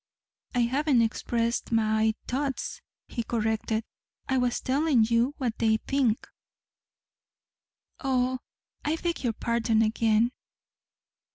"I haven't expressed my thoughts," he corrected. "I was telling you what they think." "Oh h h I beg your pardon again!"